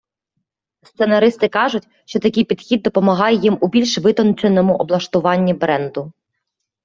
Сценаристи кажуть, що такий підхід допомагає їм у більш витонченому облаштуванні бренду.